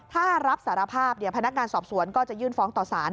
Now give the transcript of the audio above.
ถ้ารับสารภาพพนักงานสอบสวนก็จะยื่นฟ้องต่อสาร